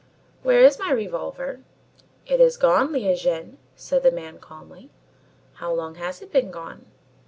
"Where is my revolver?" "It is gone, Lieh Jen," said the man calmly. "How long has it been gone?"